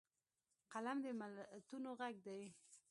قلم د ملتونو غږ دی